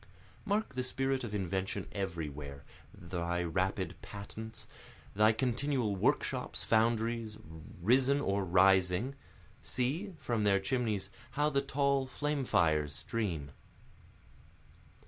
Mark the spirit of invention everywhere, thy rapid patents, Thy continual workshops, foundries, risen or rising, See, from their chimneys how the tall flame fires stream.